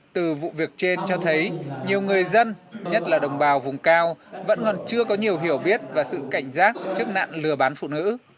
từ vụ việc trên cho thấy nhiều người dân nhất là đồng bào vùng cao vẫn còn chưa có nhiều hiểu biết và sự cảnh giác trước nạn lừa bán phụ nữ